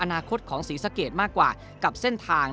อนาคตของศรีสะเกดมากกว่ากับเส้นทาง